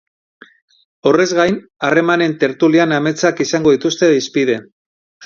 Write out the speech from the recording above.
Horrez gain, harremanen tertulian ametsak izango dituzte hizpide.